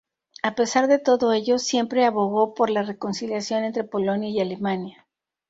A pesar de todo ello, siempre abogó por la reconciliación entre Polonia y Alemania.